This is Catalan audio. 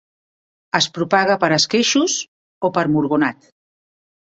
Es propaga per esqueixos o per murgonat.